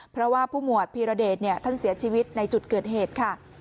เพราะว่าผู้หมวดพีรเดชท่านเสียชีวิตในจุดเกิดเหตุค่ะ